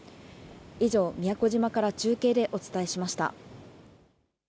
以上、宮古島から中継でお伝えしました。